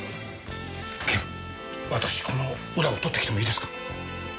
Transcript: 警部私この裏を取ってきてもいいですか？